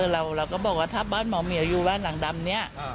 เราก็บอกว่าถ้าบ้านหมอเหมียวอยู่บ้านหลังดำนี้